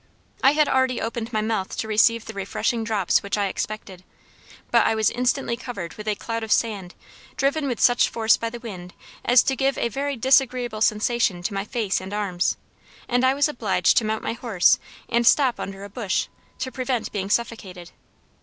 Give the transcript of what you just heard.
I had already opened my mouth to receive the refreshing drops which I expected; but I was instantly covered with a cloud of sand, driven with such force by the wind as to give a very disagreeable sensation to my face and arms; and I was obliged to mount my horse and stop under a bush, to prevent being suffocated.